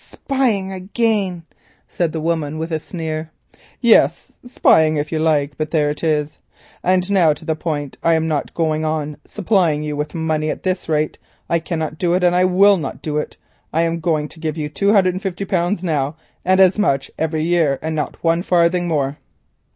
"Spying again," said the woman with a sneer. "Yes, spying, if you like; but there it is. And now to the point—I am not going on supplying you with money at this rate. I cannot do it and I will not do it. I am going to give you two hundred and fifty pounds now, and as much every year, and not one farthing more."